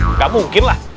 nggak mungkin lah